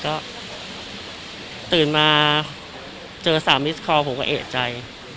ก็ตื่นมาเจอสามมิสคอลผมก็เอกใจ